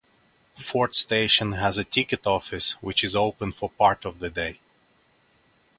Ford Station has a ticket office which is open for part of the day.